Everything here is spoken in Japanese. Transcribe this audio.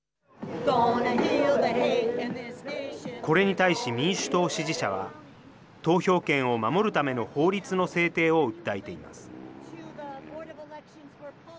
これに対し、民主党支持者は、投票権を守るための法律の制定を訴えています。